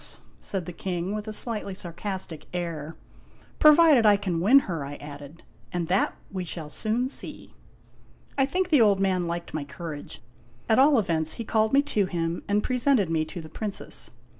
" said the King, with a slightly sarcastic air. " Provided I can win her," I added. " And that we shall soon see." I think the old man liked my courage. At all events, he called me to him, and presented me to the Princess.